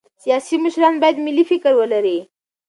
سیاسي مشران باید ملي فکر ولري